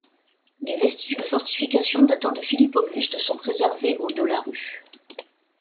Des vestiges de fortifications datant de Philippe Auguste sont préservés aux de la rue.